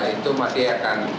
itu masih akan